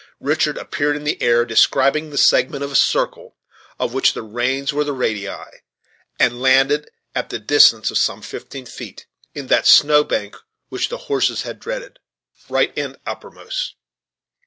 Richard appeared in the air, describing the segment of a circle, of which the reins were the radii, and landed, at the distance of some fifteen feet, in that snow bank which the horses had dreaded, right end uppermost.